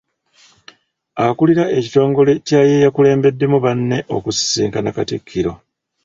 Akulira ekitongole kya y'eyakulembeddemu banne okusisinkana Katikkiro